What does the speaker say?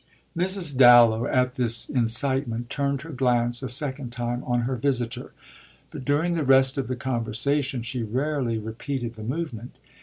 Mrs. Dallow, at this incitement, turned her glance a second time on her visitor; but during the rest of the conversation she rarely repeated the movement.